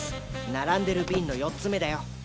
並んでる瓶の４つ目だよ。